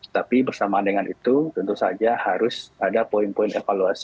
tapi bersamaan dengan itu tentu saja harus ada poin poin evaluasi